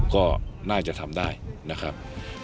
ก็น่าจะทำได้นะครับ